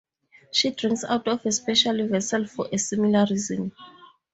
She drinks out of a special vessel for a similar reason.